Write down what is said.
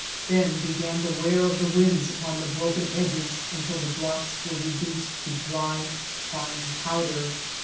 Then began the wear of the winds upon the broken edges until the blocks were reduced to dry fine powder.